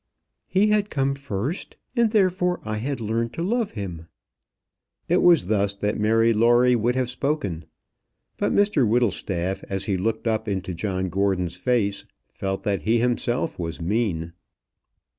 "He had come first, and therefore I had learned to love him." It was thus that Mary Lawrie would have spoken. But Mr Whittlestaff, as he looked up into John Gordon's face, felt that he himself was mean.